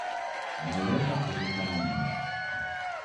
Naleka kughusha nadime